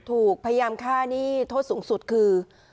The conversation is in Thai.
ถูกพยายามฆ่านี้ทดสูงสุดคือ